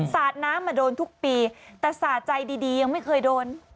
สาดน้ำมาโดนทุกปีแต่สาดใจดียังไม่เคยโดน